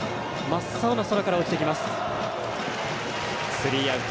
スリーアウト。